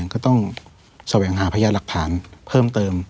ก็ต้องแสวงหาพยาหลักฐานเพิ่มเติม